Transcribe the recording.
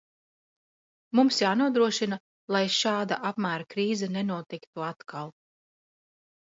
Mums jānodrošina, lai šāda apmēra krīze nenotiktu atkal.